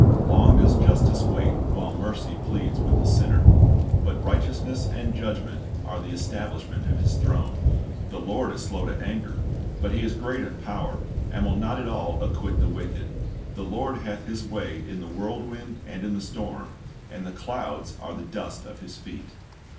Long does justice wait while mercy pleads with the sinner. But "righteousness and judgment are the establishment of His throne."^ "The Lord is slow to anger;" but He is "great in power, and will not at all acquit the wicked: the Lord hath His way in the whirlwind and in the storm, and the clouds are the dust of His feet."''